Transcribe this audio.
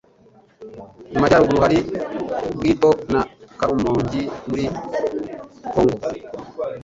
Mu majyaruguru, hari Bwito, na karumongi muri kongo